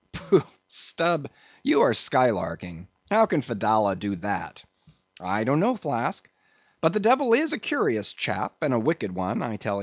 "Pooh! Stubb, you are skylarking; how can Fedallah do that?" "I don't know, Flask, but the devil is a curious chap, and a wicked one, I tell ye.